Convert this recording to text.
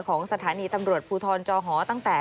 ของสถานีตำรวจภูทรจอหอตั้งแต่